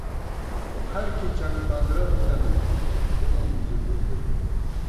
ہرکی چنگ پندرہ بی تَنَئیت بُمہ مِنزی بُم بی گئیت